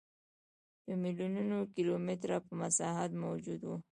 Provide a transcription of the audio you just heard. په میلیونونو کیلومترو په مساحت موجود و.